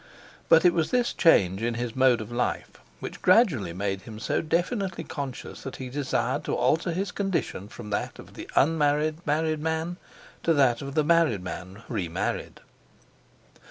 But it was this change in his mode of life which had gradually made him so definitely conscious that he desired to alter his condition from that of the unmarried married man to that of the married man remarried.